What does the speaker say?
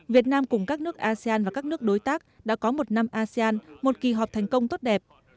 việt nam cùng các nước asean và các nước đối tác đã có một năm asean một kỳ họp thành công tốt đẹp